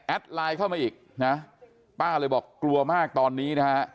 ไลน์เข้ามาอีกนะป้าเลยบอกกลัวมากตอนนี้นะฮะ